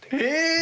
え！